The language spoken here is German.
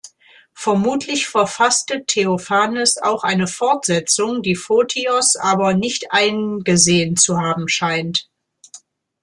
Vermutlich verfasste Theophanes auch eine Fortsetzung, die Photios aber nicht eingesehen zu haben scheint.